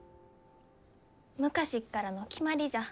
昔っからの決まりじゃ。